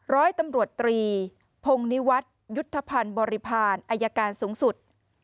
ร้อยตำรวจตรีพงนิวัตรยุทธภัณฑ์บริพาณอายการสูงสุด